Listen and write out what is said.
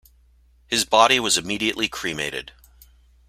His body was immediately cremated.